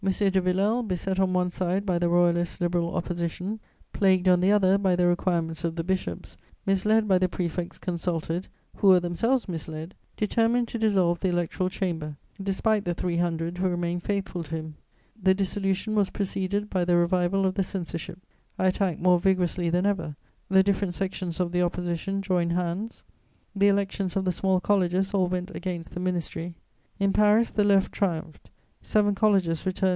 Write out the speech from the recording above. de Villèle, beset on one side by the Royalist Liberal Opposition, plagued on the other by the requirements of the bishops, misled by the prefects consulted, who were themselves misled, determined to dissolve the Electoral Chamber, despite the three hundred who remained faithful to him. The dissolution was preceded by the revival of the censorship. I attacked more vigorously than ever; the different sections of the Opposition joined hands; the elections of the small colleges all went against the ministry; in Paris, the Left triumphed; seven colleges returned M.